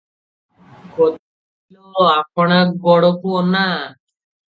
ଗୋଦରୀ ଲୋ ଆପଣା ଗୋଡ଼କୁ ଅନା ।